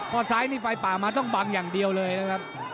ซ้ายนี่ไฟป่ามาต้องบังอย่างเดียวเลยนะครับ